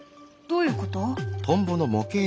どういうこと？